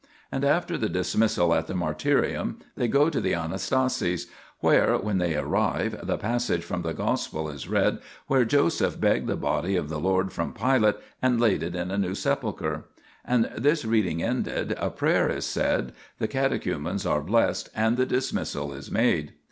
And after the dis missal at the martyrium, they go to the Anastasis, where, when they arrive, the passage from the Gospel is read where Joseph begged the Body of the Lord from Pilate and laid it in a new sepulchre. 4 And this reading ended, a prayer is said, the catechumens are blessed, and the dismissal is made.